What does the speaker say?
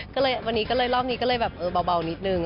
ก็ละก็เลยร่องมีก็เลยแบบเออเบานิดหนึ่ง